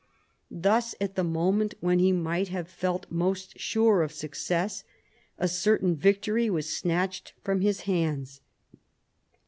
Thus at the moment when he might have felt most sure of success, a certain victory was snatched from his hands.